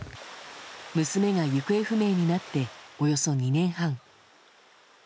娘が行方不明になっておよそ２年半。